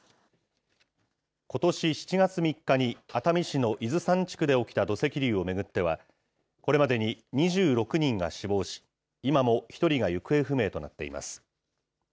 ことし７月３日に、熱海市の伊豆山地区で起きた土石流を巡っては、これまでに２６人が死亡し、今も１人が行方不明となっています。